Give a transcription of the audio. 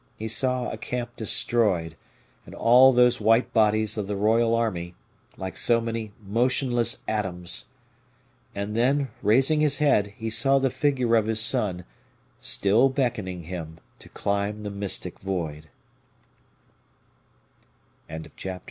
He saw a camp destroyed, and all those white bodies of the royal army, like so many motionless atoms. And, then, raising his head, he saw the figure of his son still beckoning him to climb the mystic void. Chapter LVIII.